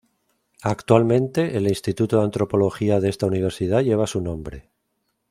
Actualmente, el Instituto de Antropología de esta universidad lleva su nombre.